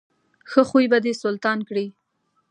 ښه خوی به دې سلطان کړي.